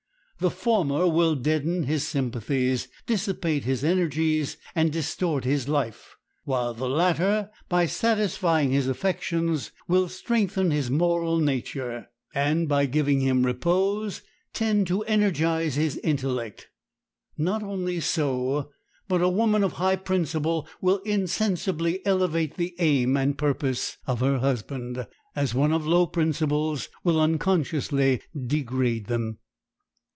The former will deaden his sympathies, dissipate his energies, and distort his life, while the latter, by satisfying his affections, will strengthen his moral nature, and, by giving him repose, tend to energize his intellect. Not only so, but a woman of high principle will insensibly elevate the aim and purpose of her husband, as one of low principles will unconsciously degrade them.